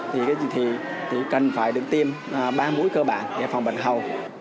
thì cần phải được tiêm ba mũi cơ bản để phòng bệnh hầu